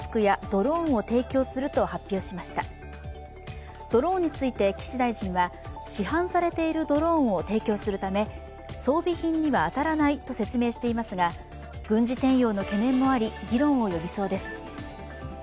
ドローンについて岸大臣は、市販されているドローンを提供するため装備品には当たらないと説明していますが、軍事転用の懸念もあり議論を呼びそうです。